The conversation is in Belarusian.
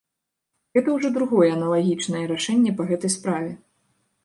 Гэта ўжо другое аналагічнае рашэнне па гэтай справе.